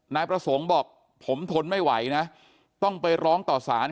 นายประสงค์บอกผมทนไม่ไหวนะต้องไปร้องต่อสาร